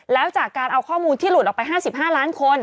แล้วจากการเอาข้อมูลที่หลุดออกไป๕๕ล้านคน